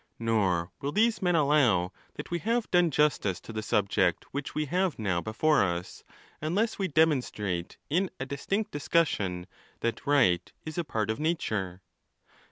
Nor will these men allow that we have done justice to the subject which we have now before us, unless we demonstrate in a distinct discussion that right is 'a part of nature.